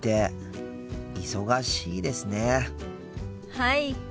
はい。